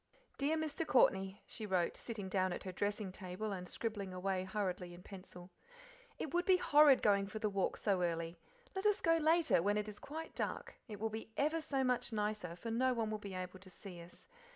"Dear Mr. Courtney," she wrote, sitting down at her dressing table, and scribbling away hurriedly in pencil: "It would be horrid going for the walk so early. Let us go later, when it is quite dark. It will be EVER so much nicer, for no one will be able to see us.